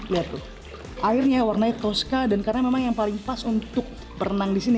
lihat tuh airnya warnanya toska dan karena memang yang paling pas untuk berenang di sini